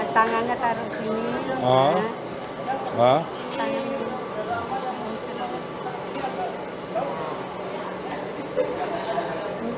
tangan saya taruh di sini